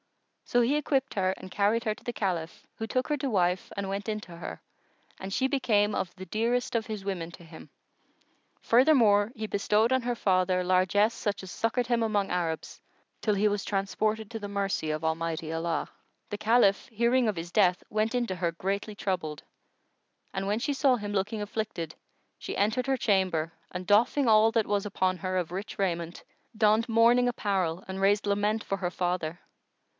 So he equipped her and carried her to the Caliph, who took her to wife and went in to her, and she became of the dearest of his women to him. Furthermore, he bestowed on her father largesse such as succoured him among Arabs, till he was transported to the mercy of Almighty Allah. The Caliph, hearing of his death, went in to her greatly troubled; and, when she saw him looking afflicted, she entered her chamber and doffing all that was upon her of rich raiment, donned mourning apparel and raised lament for her father.